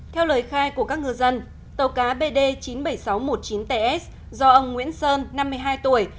theo lời khai của các ngư dân tàu cá bd chín mươi bảy nghìn sáu trăm một mươi chín ts do ông nguyễn sơn năm mươi hai tuổi